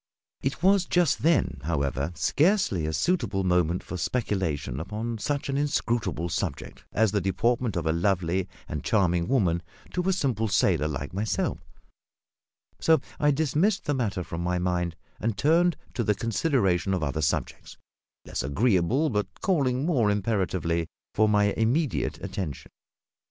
It was just then, however, scarcely a suitable moment for speculation upon such an inscrutable subject as the deportment of a lovely and charming woman to a simple sailor like myself; so I dismissed the matter from my mind and turned to the consideration of other subjects, less agreeable, but calling more imperatively for my immediate attention.